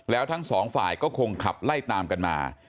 แล้วทั้งสองฝ่ายก็คงขับไล่ตามกันมา